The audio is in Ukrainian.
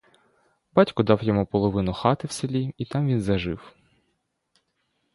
Батько дав йому половину хати в селі, і там він зажив.